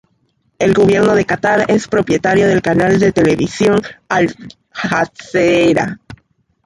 El gobierno de Catar es propietario del canal de televisión Al Jazeera.